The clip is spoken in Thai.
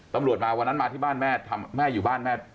ตำรวจมาวันนั้นมาที่บ้านแม่แม่อยู่บ้านแม่